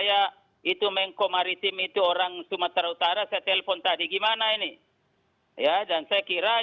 ya ya tadi juga yang karena saya itu mengkomaritim itu orang sumatera utara saya telepon tadi gimana ini ya dan saya kira ini penting sekali